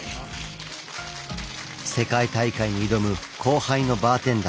世界大会に挑む後輩のバーテンダーたち。